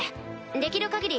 できる限り